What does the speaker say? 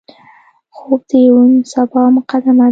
خوب د روڼ سبا مقدمه ده